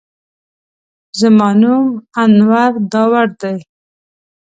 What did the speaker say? زما نوم انور داوړ دی.